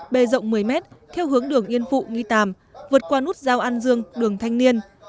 bề rộng một mươi mét theo hướng đường yên phụ nghi tàm vượt qua nút giao an dương đường thanh niên